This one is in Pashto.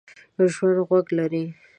ژوندي غوږ لري